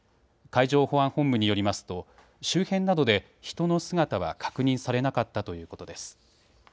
海上保安本部によりますと周辺などで人の姿は確認されなかったということです。